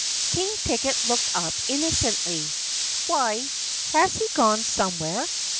King Ticket looked up innocently. "Why, has he gone somewhere?"